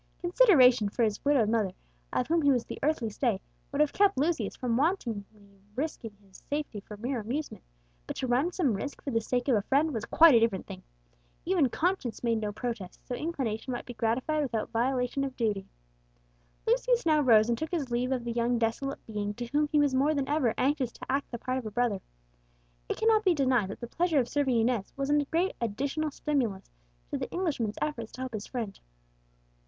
Consideration for his widowed mother, of whom he was the earthly stay, would have kept Lucius from wantonly risking his safety for mere amusement; but to run some risk for the sake of a friend was quite a different thing. Even conscience made no protest, so inclination might be gratified without violation of duty. Lucius now rose and took his leave of the young desolate being to whom he was more than ever anxious to act the part of a brother. It cannot be denied that the pleasure of serving Inez was a great additional stimulus to the Englishman's efforts to help his friend.